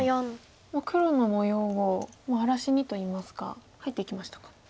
もう黒の模様を荒らしにといいますか入っていきましたか。